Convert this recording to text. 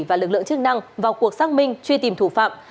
và lực lượng chức năng vào cuộc xác minh truy tìm thủ phạm